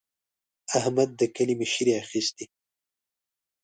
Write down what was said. احمد د کلي مشري اخېستې.